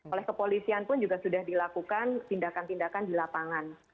oleh kepolisian pun juga sudah dilakukan tindakan tindakan di lapangan